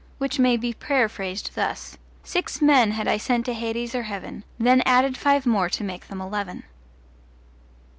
which may be paraphrased thus: Six men had I sent to hades or heaven, Then added five more to make them eleven.